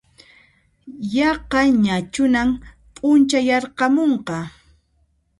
Yaqañachunan p'unchayaramunqa